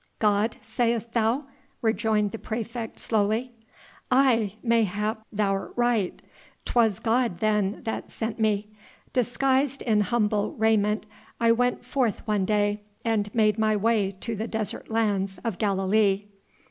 "God, sayest thou?" rejoined the praefect slowly. "Aye! mayhap thou'rt right. 'Twas God then that sent me. Disguised in humble raiment I went forth one day and made my way to the desert lands of Galilee."